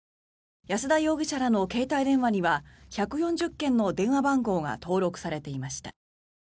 安田容疑者らの携帯電話には１４０件の電話番号が登録されていました。